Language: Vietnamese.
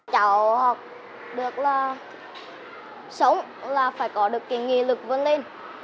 cháu học được là sống là phải có được cái nghị lực vươn lên